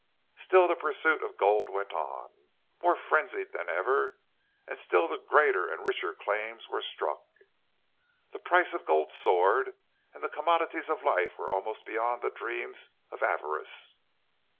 Still the pursuit of gold went on, more frenzied than ever, and still the greater and richer claims were struck. The price of gold soared and the commodities of life were almost beyond the dreams of avarice.